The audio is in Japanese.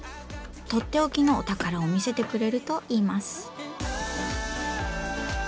とっておきのお宝を見せてくれるといいます。